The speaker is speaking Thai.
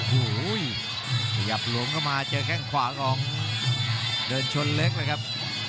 ขยับหลวงเข้ามาเจอแค่งขวาของเดินชนเล็กนะครับ